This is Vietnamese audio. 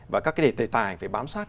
và các đề tài phải bám sát